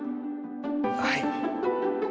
はい。